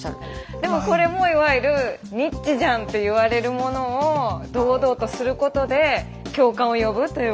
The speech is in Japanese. でもこれもいわゆるニッチじゃんと言われるものを堂々とすることで共感を呼ぶということですよね。